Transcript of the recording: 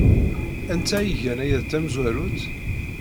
Anta ay igan aya d tamezwarut?